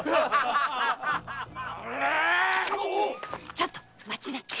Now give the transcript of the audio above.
ちょっと待ちな！